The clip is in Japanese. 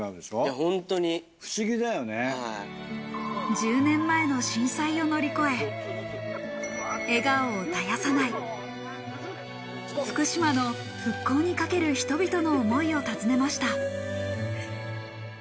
１０年前の震災を乗り越え、笑顔を絶やさない、福島の復興にかける人々の想いをたずねました。